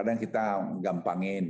kadang kadang kita menggampangin